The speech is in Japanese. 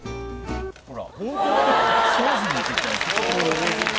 ほら。